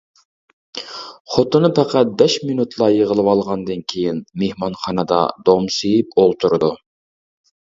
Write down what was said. خوتۇنى پەقەت بەش مىنۇتلا يىغلىۋالغاندىن كېيىن مېھمانخانىدا دومسىيىپ ئولتۇرىدۇ.